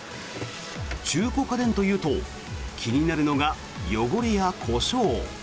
中古家電というと気になるのが汚れや故障。